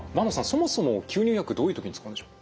そもそも吸入薬どういう時に使うんでしょう？